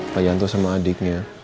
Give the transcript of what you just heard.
pak yanto sama adeknya